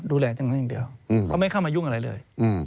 ดูแลจัดการอย่างเดียวเขาไม่เข้ามายุ่งอะไรเลย